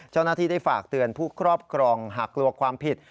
เจ้าหน้าที่ได้ฝากเตือนผู้ครอบครองหากกลัวความผิด